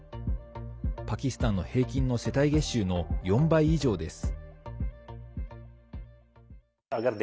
パキスタンの平均の世帯月収の４倍以上です。